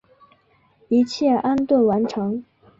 一切安顿完成